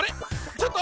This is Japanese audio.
ちょっと！？